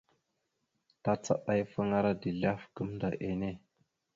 Tacaɗafaŋara dezl ahaf gamənda enne.